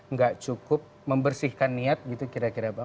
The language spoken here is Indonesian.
nggak cukup membersihkan niat gitu kira kira bang